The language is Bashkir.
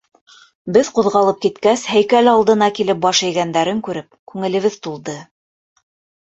Беҙ ҡуҙғалып киткәс, һәйкәл алдына килеп баш эйгәндәрен күреп күңелебеҙ тулды.